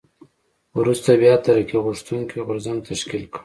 وروسته بیا ترقي غوښتونکی غورځنګ تشکیل کړ.